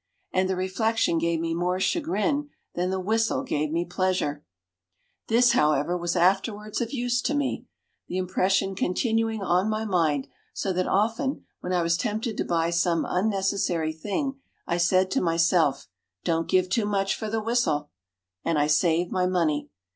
And the reflection gave me more chagrin than the whistle gave me pleasure. This, however, was afterwards of use to me, the impression continuing on my mind, so that often, when I was tempted to buy some unnecessary thing, I said to myself: "Don't give too much for the whistle!" And I saved my money.